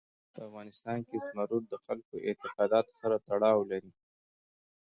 په افغانستان کې زمرد د خلکو د اعتقاداتو سره تړاو لري.